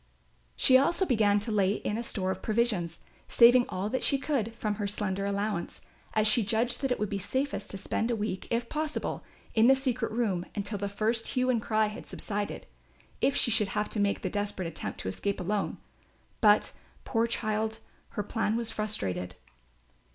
She also began to lay in a store of provisions, saving all that she could from her slender allowance, as she judged that it would be safest to spend a week if possible, in the secret room until the first hue and cry had subsided, if she should have to make the desperate attempt to escape alone; but, poor child, her plan was frustrated.